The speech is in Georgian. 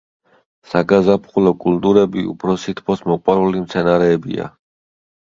საგაზაფხულო კულტურები უფრო სითბოს მოყვარული მცენარეებია.